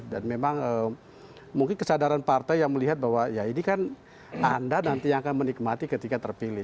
dan memang mungkin kesadaran partai yang melihat bahwa ya ini kan anda nanti yang akan menikmati ketika terpilih